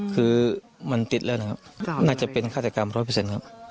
คือมันติดแล้วนะครับน่าจะเป็นฆาตกรรม๑๐๐ครับ